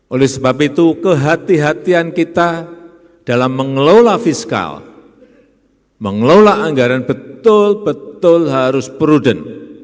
oleh sebab itu kehatian kita dalam mengelola fiskal mengelola anggaran betul betul harus prudent